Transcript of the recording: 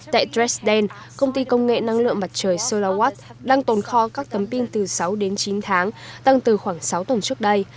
tại dresden công ty công nghệ năng lượng mặt trời solarwatt đang tồn kho các tấm pin từ sáu đến chín tháng tăng từ khoảng sáu tuần trước đây